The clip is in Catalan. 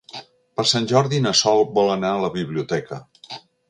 Per Sant Jordi na Sol vol anar a la biblioteca.